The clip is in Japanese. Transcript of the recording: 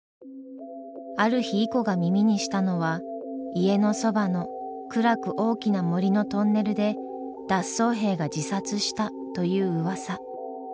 ある日イコが耳にしたのは「家のそばの暗く大きな森のトンネルで脱走兵が自殺した」といううわさ。